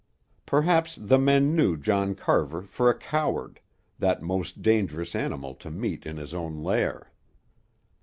Perhaps the men knew John Carver for a coward, that most dangerous animal to meet in his own lair.